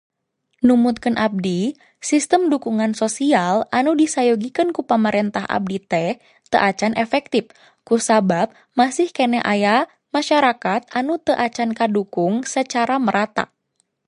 Numutkeun abdi, sistem dukungan sosial anu disayogikeun ku pamarentah abdi teh teu acan efektif kusabab masih keneh aya masarakat anu teu acan kadukung sacara merata.